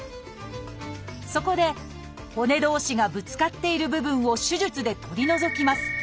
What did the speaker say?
そこで骨同士がぶつかっている部分を手術で取り除きます